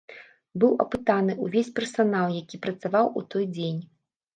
Быў апытаны ўвесь персанал, які працаваў у той дзень.